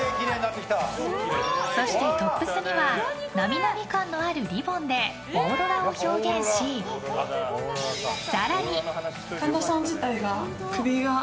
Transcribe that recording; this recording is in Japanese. そしてトップスにはなみなみ感のあるリボンでオーロラを表現し更に。